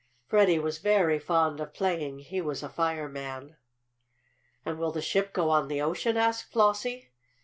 Freddie was very fond of playing he was a fireman. "And will the ship go on the ocean?" asked Flossie.